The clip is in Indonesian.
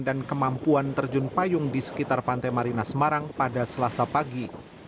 dan kemampuan terjun payung di sekitar pantai marina semarang pada selasa pagi